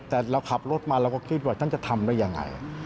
แต่เราขับรถมาเราก็คิดว่าท่านจะทำได้ยังไง